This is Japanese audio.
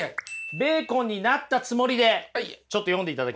ベーコンになったつもりでちょっと読んでいただけますか。